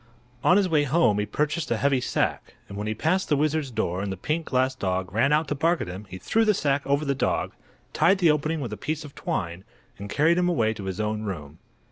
On his way home he purchased a heavy sack, and when he passed the wizard's door and the pink glass dog ran out to bark at him he threw the sack over the dog, tied the opening with a piece of twine, and carried him away to his own room.